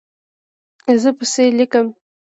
زه پیسې لیکم